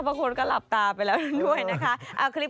บางคนก็หลับตาไปแล้วด้วยนะคะ